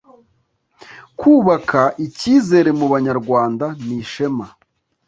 kubaka icyizere mu banyarwanda nishema